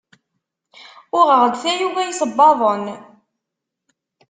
Uɣeɣ-d tayuga isebbaḍen.